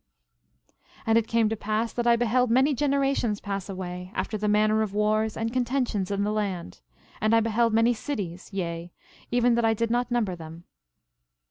12:3 And it came to pass that I beheld many generations pass away, after the manner of wars and contentions in the land; and I beheld many cities, yea, even that I did not number them.